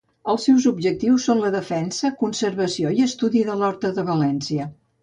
Els seus objectius són la defensa, conservació i estudi de l'horta de València.